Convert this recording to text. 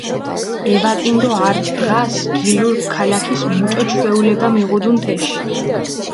ევაკინი დო ართ დღას გილურქ ქალაქის მუჭო ჩვეულება მიღუდუნ თეში.